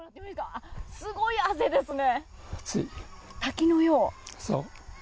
すごい汗ですね。